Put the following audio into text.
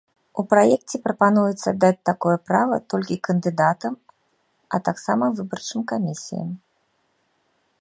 У праекце прапануецца даць такое права толькі кандыдатам, а таксама выбарчым камісіям.